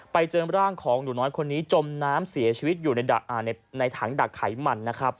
ไปเจอร่างของหนูน้อยคนนี้จมน้ำเสียชีวิตอยู่ในถังดักไขมันนะครับ